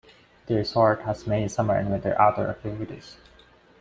The resort has many summer and winter outdoor activities.